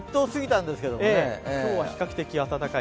今日は比較的暖かい。